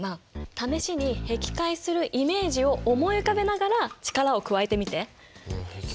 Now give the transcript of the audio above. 試しにへき開するイメージを思い浮かべながら力を加えてみて。へき